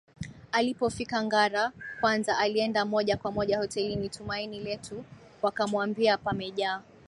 Alipofika Ngara kwanza alienda moja kwa moja hotelini tumaini letu wakamuambia pamejaa